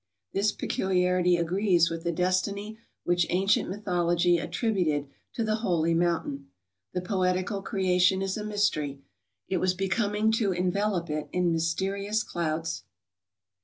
This peculiarity agrees with the destiny which ancient mythology attributed to the holy mountain. The poetical creation is a mystery; it was becoming to envelope it in mysterious clouds.